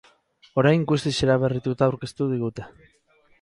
Orain guztiz eraberrituta aurkeztu digute.